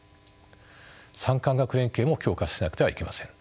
産官学連携も強化しなくてはいけません。